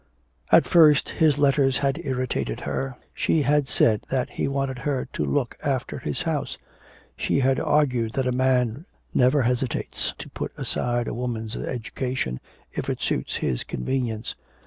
At first his letters had irritated her, she had said that he wanted her to look after his house; she had argued that a man never hesitates to put aside a woman's education, if it suits his convenience.